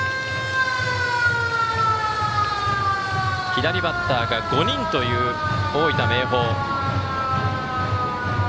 左バッターが５人という大分、明豊。